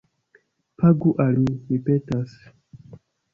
Pagu al mi, mi petas